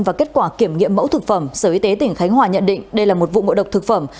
và kết quả kiểm nghiệm mẫu thực phẩm sở y tế tỉnh khánh hòa nhận định đây là một vụ ngộ độc thực phẩm